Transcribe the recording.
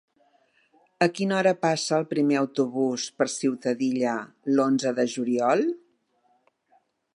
A quina hora passa el primer autobús per Ciutadilla l'onze de juliol?